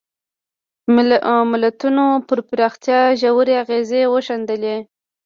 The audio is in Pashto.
ملتونو پر پراختیا ژورې اغېزې وښندلې.